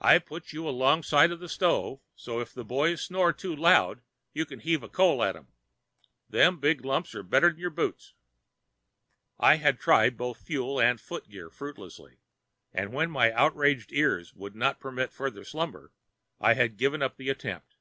"I've put you alongside of the stove, so if the boys snore too loud you can heave coal on 'em. Them big lumps is better than your boots." I had tried both fuel and footgear fruitlessly, and when my outraged ears would not permit further slumber I had given up the attempt.